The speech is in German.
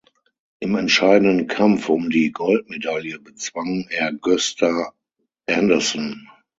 Im entscheidenden Kampf um die Goldmedaille bezwang er Gösta Andersson.